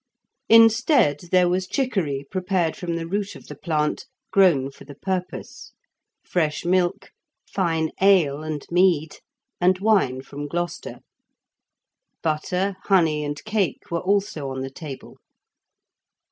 Instead, there was chicory prepared from the root of the plant, grown for the purpose; fresh milk; fine ale and mead; and wine from Gloucester. Butter, honey, and cake were also on the table.